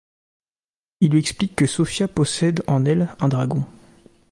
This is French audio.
Il lui explique que Sofia possède, en elle, un dragon.